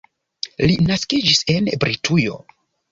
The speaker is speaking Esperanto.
Li naskiĝis en Britujo.